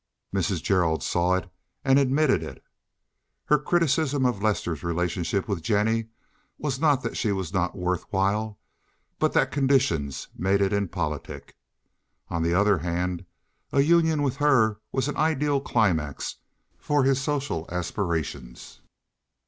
Mrs. Gerald saw it and admitted it. Her criticism of Lester's relationship with Jennie was not that she was not worth while, but that conditions made it impolitic. On the other hand, union with her was an ideal climax for his social aspirations.